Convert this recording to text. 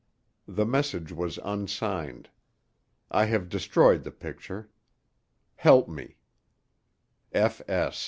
The message was unsigned. I have destroyed the picture. Help me!